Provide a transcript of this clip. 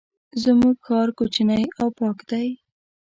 زمونږ ښار کوچنی او پاک دی.